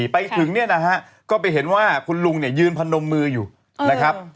ไปถึงเนี่ยนะฮะก็ไปเห็นว่าคุณลุงเนี่ยยืนพนมมืออยู่นะครับ